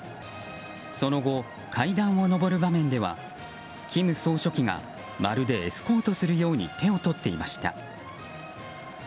その後、階段を上る場面では金総書記がまるでエスコートするように手を取っていました。